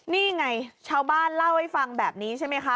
นี่ไงชาวบ้านเล่าให้ฟังแบบนี้ใช่ไหมคะ